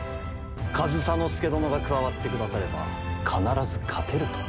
上総介殿が加わってくだされば必ず勝てると。